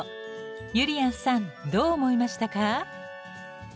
ゆりやんさんどう思いましたか？